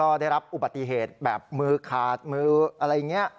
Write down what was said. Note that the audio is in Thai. ก็ได้รับอุบัติเหตุแบบมือขาดมืออะไรอย่างนี้